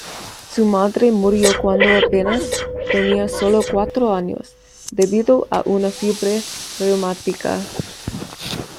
Su madre murió cuando apenas tenía sólo cuatro años, debido a una fiebre reumática.